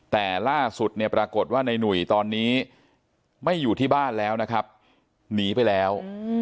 แต่ล่าสุดเนี่ยปรากฏว่าในหนุ่ยตอนนี้ไม่อยู่ที่บ้านแล้วนะครับหนีไปแล้ว